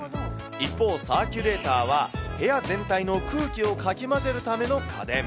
一方、サーキュレーターは部屋全体の空気をかき混ぜるための家電。